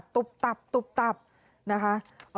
ตุ๊บตับนะคะ